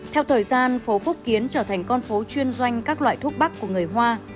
theo thời gian phố phúc kiến trở thành con phố chuyên doanh các loại thuốc bắc của người hoa